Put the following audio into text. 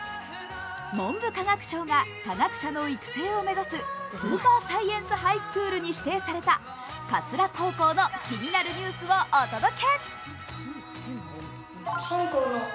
文部科学省が科学者の育成を目指すスーパーサイエンスハイスクールに指定された桂高校の気になるニュースをお届け。